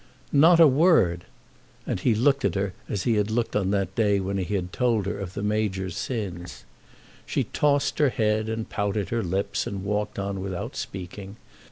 "Not a word!" And he looked at her as he had looked on that day when he had told her of the Major's sins. She tossed her head and pouted her lips and walked on without speaking.